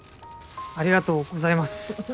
ありがとうございます。